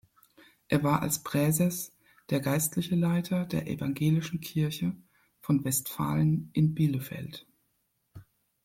Er war als Präses der Geistliche Leiter der Evangelischen Kirche von Westfalen in Bielefeld.